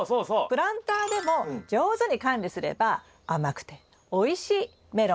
プランターでも上手に管理すれば甘くておいしいメロンを作れます。